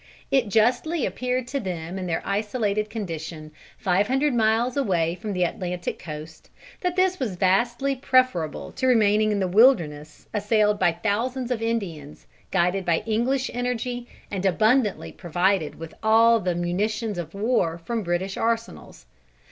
It justly appeared to them in their isolated condition, five hundred miles away from the Atlantic coast, that this was vastly preferable to remaining in the wilderness assailed by thousands of Indians guided by English energy and abundantly provided with all the munitions of war from British arsenals.